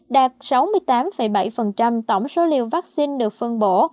đạt sáu mươi tám bảy tổng số liều vaccine được phân bổ